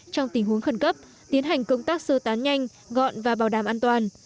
trong tình huống khẩn cấp tiến hành công tác sơ tán nhanh gọn và bảo đảm an toàn